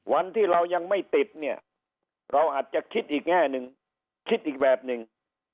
วันที่เรายังไม่ติดเนี่ยเราอาจจะคิดอีกแง่หนึ่งคิดอีกแบบหนึ่ง